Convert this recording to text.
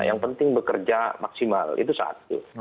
yang penting bekerja maksimal itu satu